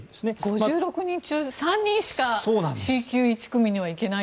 ５６人中３人しかＣ級１組に行けない。